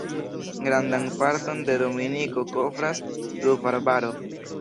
Grandan parton de Dominiko kovras pluvarbaro.